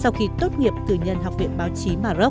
sau khi tốt nghiệp tư nhân học viện báo chí maroc